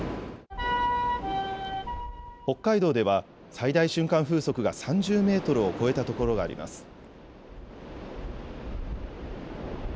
北海道では最大瞬間風速が３０メートルを超えたところがあります。